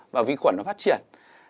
và vi khuẩn nó phát triển